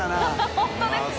本当ですね。